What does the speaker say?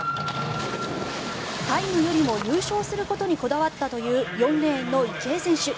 タイムよりも優勝することにこだわったという４レーンの池江選手。